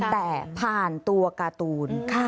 แต่ผ่านตัวการ์ตูน